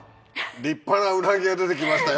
立派なウナギが出てきましたよ